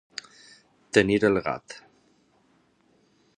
Tenir el gat.